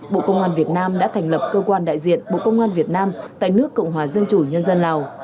bộ công an việt nam đã thành lập cơ quan đại diện bộ công an việt nam tại nước cộng hòa dân chủ nhân dân lào